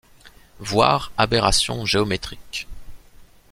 Voir aberration géométrique.